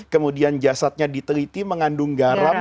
kemudian jasadnya diteliti mengandung garam